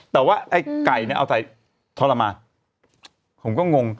แต่ว่าไอ้ไก่เนี่ยเอาใส่ทรมานผมก็งง